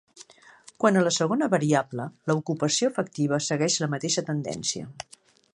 Quant a la segona variable, l’ocupació efectiva segueix la mateixa tendència.